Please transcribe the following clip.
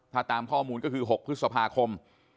ถ้าตามข้อมูลก็คือ๖พฤษภาคม